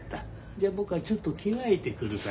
じゃあ僕はちょっと着替えてくるから。